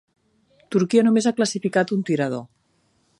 Turquia només ha classificat un tirador.